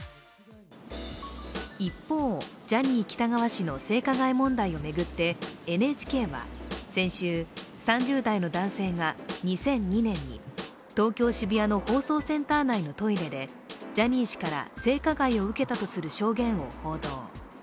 一方、ジャニー喜多川氏の性加害問題を巡ってＮＨＫは先週３０代の男性が２００２年に東京・渋谷の放送センター内のトイレでジャニー氏から性加害を受けたとする証言を報道。